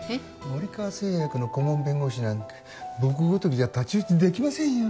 森川製薬の顧問弁護士なんて僕ごときじゃ太刀打ちできませんよ。